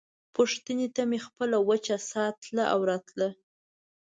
پوښتنې ته مې خپله وچه ساه تله او راتله.